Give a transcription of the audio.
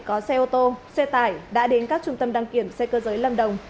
có xe ô tô xe tải đã đến các trung tâm đăng kiểm xe cơ giới lâm đồng